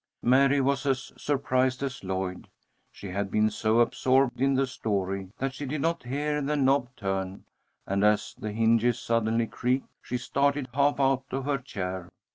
Mary was as surprised as Lloyd. She had been so absorbed in the story that she did not hear the knob turn, and as the hinges suddenly creaked, she started half out of her chair.